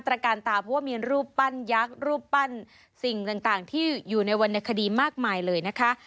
ระการตาเพราะว่ามีรูปปั้นยักษ์รูปปั้นสิ่งต่างที่อยู่ในวรรณคดีมากมายเลยนะคะ